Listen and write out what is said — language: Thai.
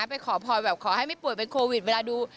ไปขอพลอยแบบขอให้ไม่ป่วยเป็นโควิดเวลาดู